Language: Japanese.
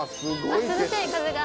涼しい風が。